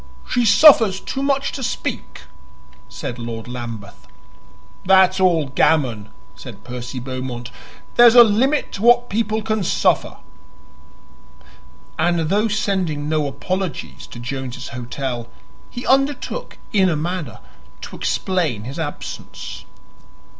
"She suffers too much to speak," said Lord Lambeth. "That's all gammon," said Percy Beaumont; "there's a limit to what people can suffer!" And, though sending no apologies to Jones's Hotel, he undertook in a manner to explain his absence.